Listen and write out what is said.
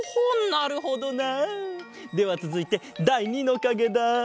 なるほどな。ではつづいてだい２のかげだ。